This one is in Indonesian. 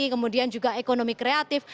kemudian juga ekonomi kreatif